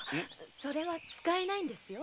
それは使えないんですよ。